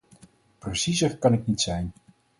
Preciezer kan ik niet zijn.